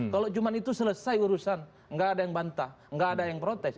kalau cuma itu selesai urusan nggak ada yang bantah nggak ada yang protes